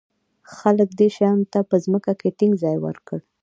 خلک دې شیانو ته په ځمکه کې ټینګ ځای ورکړ.